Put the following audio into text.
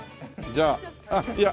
じゃあいや